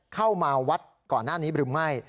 เข้ามาวัดก่อนหน้านี้หรือไม่